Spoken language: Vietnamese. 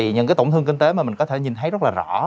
những tổn thương kinh tế mà mình có thể nhìn thấy rất là rõ